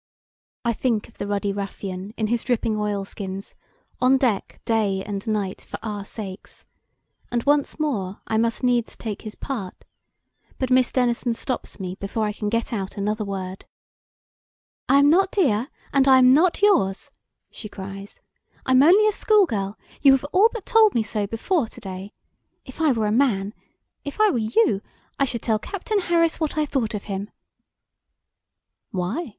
I think of the ruddy ruffian in his dripping oilskins, on deck day and night for our sakes, and once more I must needs take his part; but Miss Denison stops me before I can get out another word. "I am not dear, and I'm not yours," she cries. "I'm only a school girl you have all but told me so before to day! If I were a man if I were you I should tell Captain Harris what I thought of him!" "Why?